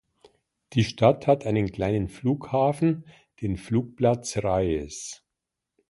Die Stadt hat einen kleinen Flughafen, den Flugplatz Reyes.